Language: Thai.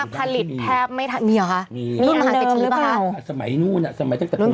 เฝ้ามหาเสถียต้องไปดูนิดหนึ่ง